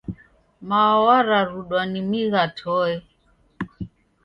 Mao wararudwa ni migha toe.